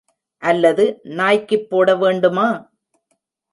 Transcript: அல்லது நாய்க்குப் போடவேண்டுமா?